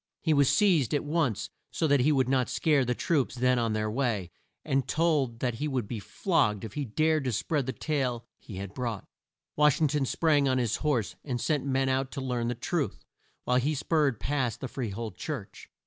He was seized at once so that he would not scare the troops then on their way, and told that he would be flogged if he dared to spread the tale he had brought. Wash ing ton sprang on his horse, and sent men out to learn the truth, while he spurred past the Free hold church.